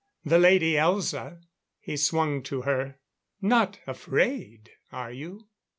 The Lady Elza " He swung to her. "Not afraid, are you?"